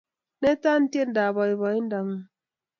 Neta tiendab boibo-indang'ung